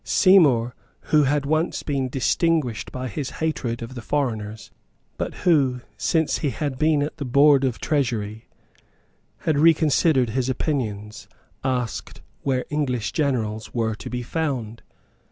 Seymour, who had once been distinguished by his hatred of the foreigners, but who, since he had been at the Board of Treasury, had reconsidered his opinions, asked where English generals were to be found.